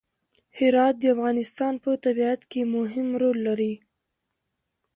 هرات د افغانستان په طبیعت کې مهم رول لري.